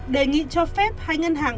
đề nghị cho phép hai ngân hàng